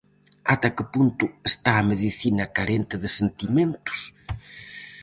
Ata que punto está a medicina carente de sentimentos?